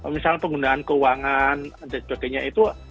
misalnya penggunaan keuangan dan sebagainya itu